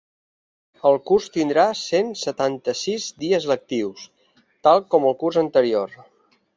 El curs tindrà cent setanta-sis dies lectius, tal com el curs anterior.